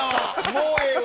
もうええわ。